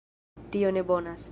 Tio ne bonas!